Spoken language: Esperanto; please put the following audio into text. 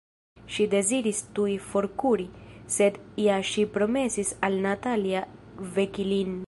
Ŝi deziris tuj forkuri, sed ja ŝi promesis al Natalia veki lin.